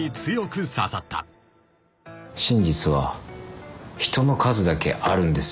「真実は人の数だけあるんですよ」